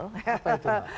apa itu mbak